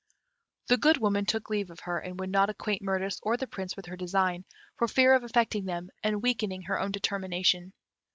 The Good Woman took leave of her, and would not acquaint Mirtis or the Prince with her design, for fear of affecting them and weakening her own determination.